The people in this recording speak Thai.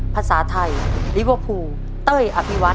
ภาษาไทยลิเวอร์พูลเต้ยอภิวัต